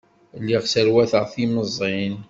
Lliɣ sserwateɣ timẓin.